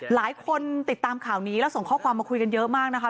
ติดตามข่าวนี้แล้วส่งข้อความมาคุยกันเยอะมากนะคะ